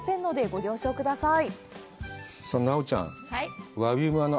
ご了承ください。